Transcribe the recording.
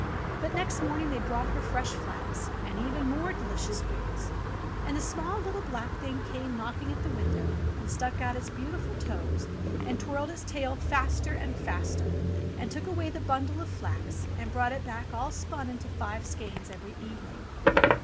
But next morning they brought her fresh flax and even more delicious foods. And the small, little, black Thing came knocking at the window and stuck out its beautiful toes and twirled its tail faster and faster, and took away the bundle of flax and brought it back all spun into five skeins by evening.